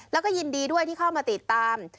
แล้วก็ยินดีด้วยที่เข้ามาติดตาม